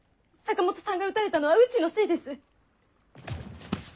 坂本さんが撃たれたのはうちのせいです。